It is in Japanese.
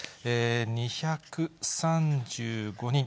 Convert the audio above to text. ２３５人。